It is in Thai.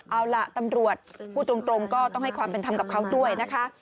เอาล่ะตำรวจพูดตรงก็ต้องให้ความเป็นธรรมกับเขาด้วยนะคะ